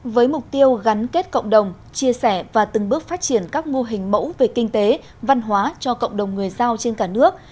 với mục tiêu gắn kết cộng đồng chia sẻ và từng bước phát triển các mô hình mẫu về kinh tế văn hóa cho cộng đồng người giao trên cả nước